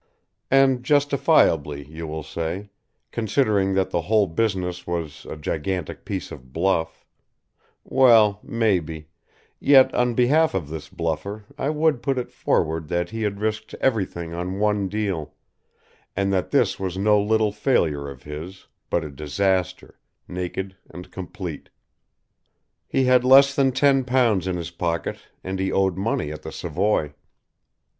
And justifiably you will say, considering that the whole business was a gigantic piece of bluff well, maybe, yet on behalf of this bluffer I would put it forward that he had risked everything on one deal, and that this was no little failure of his, but a disaster, naked and complete. He had less than ten pounds in his pocket and he owed money at the Savoy.